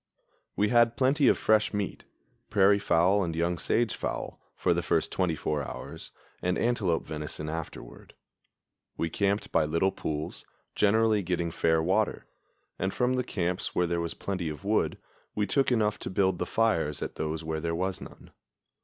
We had plenty of fresh meat prairie fowl and young sage fowl for the first twenty four hours, and antelope venison afterward. We camped by little pools, generally getting fair water; and from the camps where there was plenty of wood we took enough to build the fires at those where there was none.